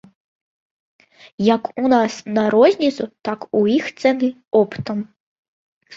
Як у нас на розніцу, так у іх цэны оптам.